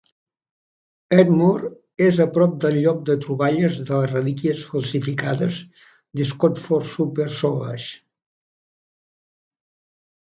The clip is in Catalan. Edmore és a prop del lloc de troballes de les relíquies falsificades de Scotford-Soper-Savage.